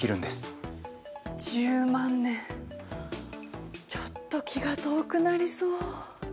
１０万年ちょっと気が遠くなりそう。